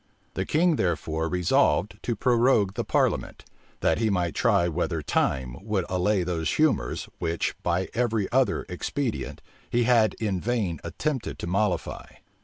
The king therefore resolved to prorogue the parliament, that he might try whether time would allay those humors, which, by every other, expedient, he had in vain attempted to mollify.